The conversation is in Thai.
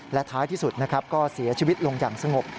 และท้ายที่สุดนะครับก็เสียชีวิตลงอย่างสงบ